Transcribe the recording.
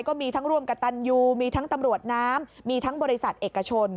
ก็มีทั้งร่วมกับตันยูมีทั้งตำรวจน้ำมีทั้งบริษัทเอกชน